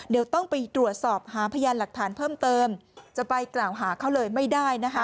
เดี๋ยวต้องไปตรวจสอบหาพยานหลักฐานเพิ่มเติมจะไปกล่าวหาเขาเลยไม่ได้นะคะ